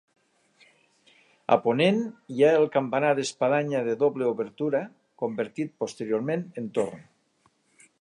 A ponent hi ha el campanar d'espadanya de doble obertura, convertit posteriorment en torre.